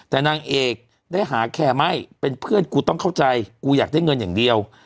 แต่นางเอกได้หาแคร์ไม่เป็นเพื่อนกูต้องเข้าใจกูอยากได้เงินอย่างเดียว